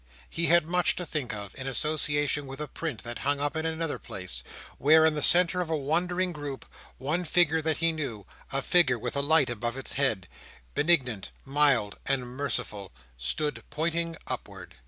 He had much to think of, in association with a print that hung up in another place, where, in the centre of a wondering group, one figure that he knew, a figure with a light about its head—benignant, mild, and merciful—stood pointing upward.